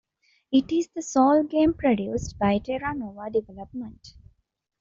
It is the sole game produced by Terra Nova Development.